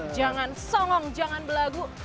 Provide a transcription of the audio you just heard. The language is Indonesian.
jangan songong jangan berlagu